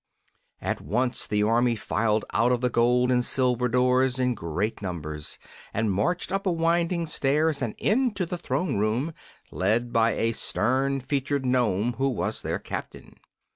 At once the army filed out of the gold and silver doors in great numbers, and marched up a winding stairs and into the throne room, led by a stern featured Nome who was their captain.